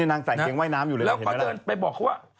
นี่นางใส่เทียงว่ายน้ำอยู่เลยเห็นมั้ยแล้วก็เดินไปบอกเขาว่า